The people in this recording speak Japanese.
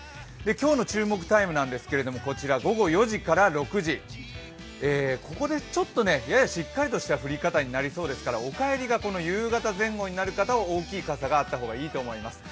今日の注目タイムなんですけれども、午後４時から６時、ここでちょっとややしっかりとした降り方になりそうですからお帰りが夕方前後になる方は大きい傘があった方がいいと思います。